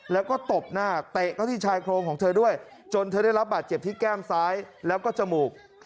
แล้วก็ตบหน้าเตะเข้าที่ชายโครงของเธอด้วยจนเธอได้รับบาดเจ็บที่แก้มซ้ายแล้วก็จมูก